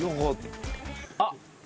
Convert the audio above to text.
あっ！